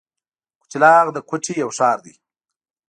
کچلاغ د کوټي یو ښار دی.